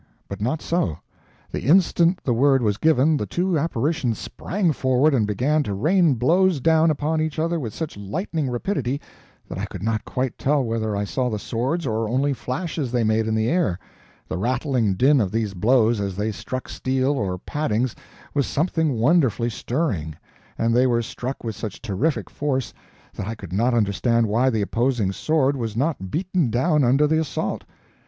But not so. The instant the word was given, the two apparitions sprang forward and began to rain blows down upon each other with such lightning rapidity that I could not quite tell whether I saw the swords or only flashes they made in the air; the rattling din of these blows as they struck steel or paddings was something wonderfully stirring, and they were struck with such terrific force that I could not understand why the opposing sword was not beaten down under the assault.